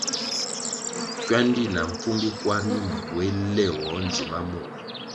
Kywandi na mpfumbi kwar mi mbuéh léwoh ndzima mur.